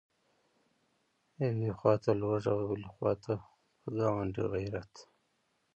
یوې خواته لوږه او بلې خواته په ګاونډي غیرت.